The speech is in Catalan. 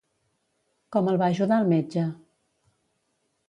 Com el va ajudar el metge?